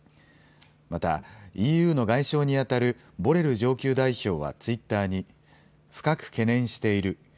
またＥＵの外相にあたるボレル上級代表はツイッターに深く懸念している。